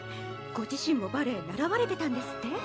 ご自身もバレエ習われてたんですって？